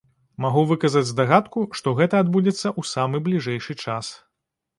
Магу выказаць здагадку, што гэта адбудзецца ў самы бліжэйшы час.